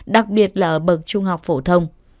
đặc biệt là bậc trung học phổ thông